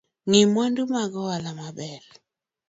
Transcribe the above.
Ng’i mwandu mag ohala maber